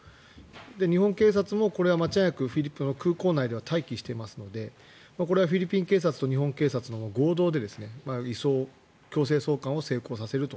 日本警察もこれは間違いなくフィリピンの空港内では待機していますのでこれはフィリピン警察と日本警察の合同で移送、強制送還を成功させると。